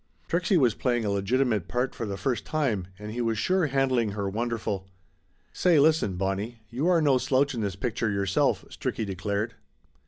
Trixie was playing a legitimate part for the first time, and he was sure handling her wonderful. "Say listen, Bonnie, you are no slouch in this pic ture yourself !" Stricky declared.